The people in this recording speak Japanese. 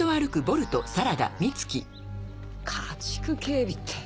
家畜警備って。